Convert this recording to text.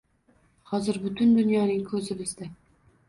Hozir butun dunyoning ko‘zi bizda